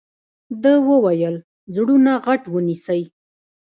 ده وويل زړونه غټ ونيسئ.